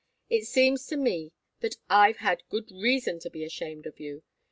It seems to me that I've had good reason to be ashamed of you.